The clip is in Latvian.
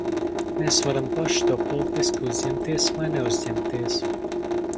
Mēs varam paši to politiski uzņemties vai neuzņemties.